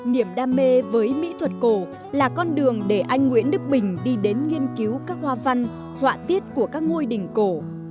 niềm đam mê với mỹ thuật cổ là con đường để anh nguyễn đức bình đi đến nghiên cứu các hoa văn họa tiết của các ngôi đình cổ